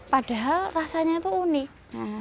padahal rasanya itu unik